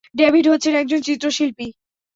David হচ্ছেন একজন চিত্রশিল্পী।